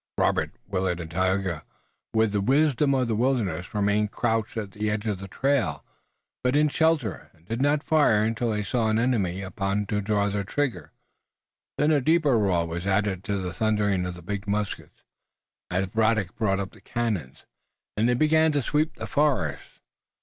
Robert, Willet and Tayoga, with the wisdom of the wilderness, remained crouched at the edge of the trail, but in shelter, and did not fire until they saw an enemy upon whom to draw the trigger. Then a deeper roar was added to the thundering of the big muskets, as Braddock brought up the cannon, and they began to sweep the forest.